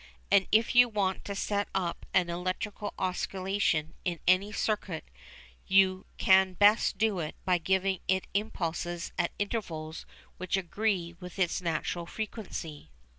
And if you want to set up an electrical oscillation in any circuit you can best do it by giving it impulses at intervals which agree with its natural frequency.